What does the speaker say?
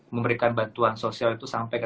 memberikan bantuan sosial itu sampai ke